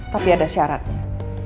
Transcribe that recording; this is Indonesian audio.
tapi ada syaratnya